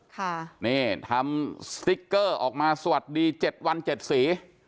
ค่ะนี่ทำสติ๊กเกอร์ออกมาสวัสดีเจ็ดวันเจ็ดสี